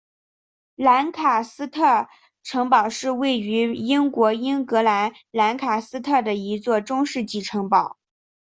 兰卡斯特城堡是位于英国英格兰兰卡斯特的一座中世纪城堡。